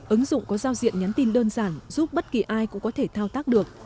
ứng dụng có giao diện nhắn tin đơn giản giúp bất kỳ ai cũng có thể thao tác được